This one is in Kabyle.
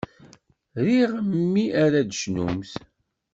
Riɣ mi ara tcennumt.